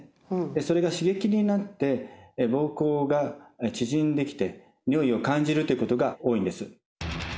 それが刺激になって膀胱が縮んできて尿意を感じるということが多いんです